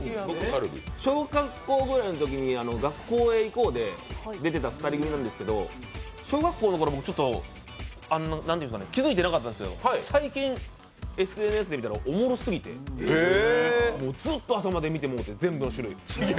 小学校ぐらいのときに「学校へ行こう！」で出てた２人組なんですけど小学校のころは気づいてなかったんですけど最近、ＳＮＳで見たらおもろすぎて、ずっと朝まで見て、全部の種類。